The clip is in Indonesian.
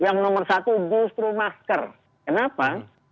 yang nomor satu justru masker kenapa